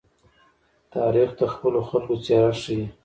تاریخ د خپلو خلکو څېره ښيي.